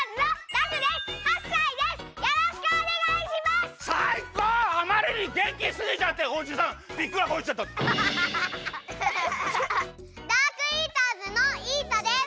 ダークイーターズのイータです！